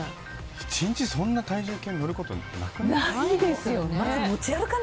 １日、そんなに体重計に乗ることなくないですか？